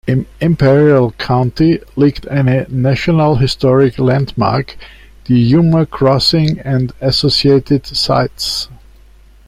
Im Imperial County liegt eine National Historic Landmark, die Yuma Crossing and Associated Sites.